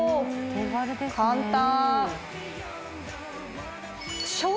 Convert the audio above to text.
簡単。